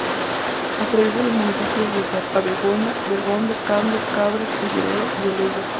Atraviesa los municipios de Oza-Cesuras, Abegondo, Bergondo, Cambre, Culleredo y Oleiros.